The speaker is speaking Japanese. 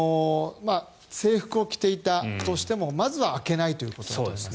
制服を着ていたとしてもまずは開けないということです。